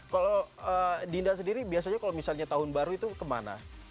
kalau dinda sendiri biasanya kalau misalnya tahun baru itu kemana